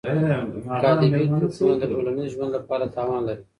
قالبي حکمونه د ټولنیز ژوند لپاره تاوان لري.